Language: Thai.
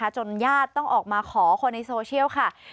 ญาติต้องออกมาขอคนในโซเชียลค่ะ